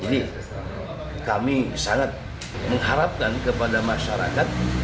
jadi kami sangat mengharapkan kepada masyarakat